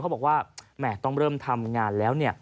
บอกว่าแหม่ต้องเริ่มทำงานแล้วเนี่ย